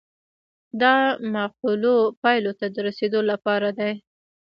دا معقولو پایلو ته د رسیدو لپاره دی.